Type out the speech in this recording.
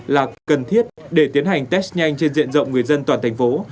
là cần thiết để tiến hành test nhanh trên diện rộng người dân toàn thành phố